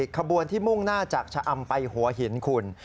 ขบวนที่มุ่งหน้าจากชะอำไปหัวหินคุณ